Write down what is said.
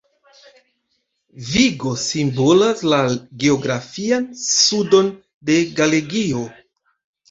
Vigo simbolas la geografian sudon de Galegio.